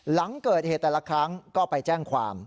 หลังเกิดเหตุแต่ละครั้งก็ไปแจ้งความ